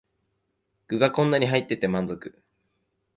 具がこんなに入ってて満足